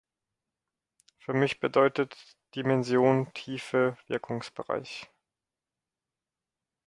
Für mich bedeutet "Dimension" Tiefe, Wirkungsbereich.